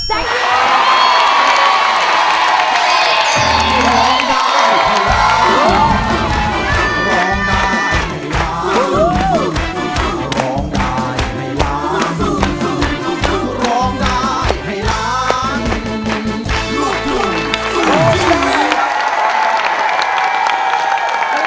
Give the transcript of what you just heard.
ใจร้ายให้ร้างร้องได้ให้ร้างลูกหลุงสู่ชีวิต